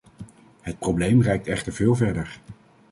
Het probleem reikt echter veel verder.